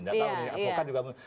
tidak tahu nih advokat juga